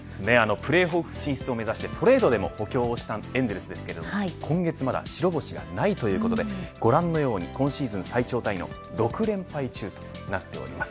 プレーオフ進出を目指してトレードでも補強したエンゼルスですけど今月、まだ白星がないということでご覧のように今シーズン最長タイの６連敗中となっております。